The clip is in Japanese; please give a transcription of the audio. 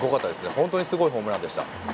本当にすごいホームランでした。